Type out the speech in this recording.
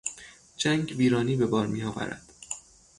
جنگ ویرانی به بار میآورد.